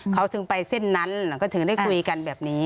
เขาถึงไปเส้นนั้นก็ถึงได้คุยกันแบบนี้